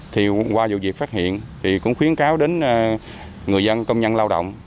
thì qua vụ việc phát hiện thì cũng khuyến cáo đến người dân công nhân lao động